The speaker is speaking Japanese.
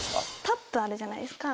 タップあるじゃないですか。